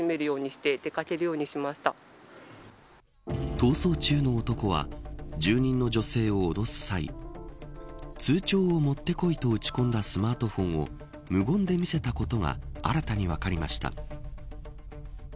逃走中の男は住人の女性を脅す際通帳を持ってこいと打ち込んだスマートフォンを無言で見せたことが新たに分かりました。